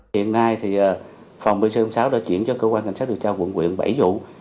hiện nay thì phòng pc sáu đã chuyển cho cơ quan cảnh sát điều tra quận quyện bảy vụ